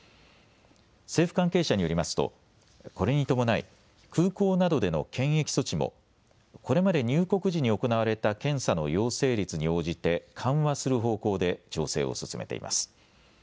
政府関係者によりますとこれに伴い、空港などでの検疫措置もこれまで入国時に行われた検査の陽性率に応じて緩和する方向で調整を進めています。